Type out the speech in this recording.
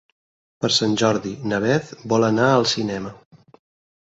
Per Sant Jordi na Beth vol anar al cinema.